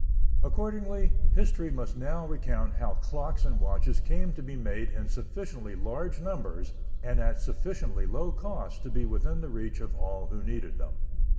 Accordingly history must now recount how clocks and watches came to be made in sufficiently large numbers and at sufficiently low cost to be within the reach of all who needed them.